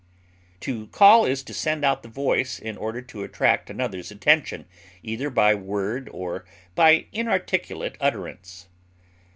To call is to send out the voice in order to attract another's attention, either by word or by inarticulate utterance.